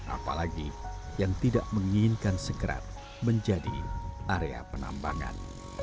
apalagi yang tidak menginginkan segera menjadi area penambangan